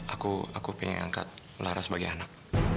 aku aku ingin angkat lara sebagai anak